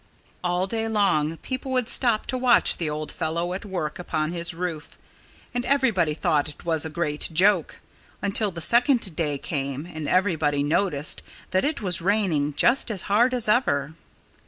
All day long people would stop to watch the old fellow at work upon his roof. And everybody thought it was a great joke until the second day came and everybody noticed that it was raining just as hard as ever.